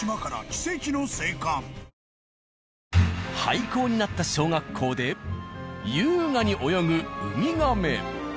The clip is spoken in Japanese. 廃校になった小学校で優雅に泳ぐウミガメ。